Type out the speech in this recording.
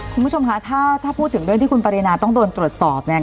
คุณผู้ชมคะถ้าพูดถึงเรื่องที่คุณปรินาต้องโดนตรวจสอบเนี่ย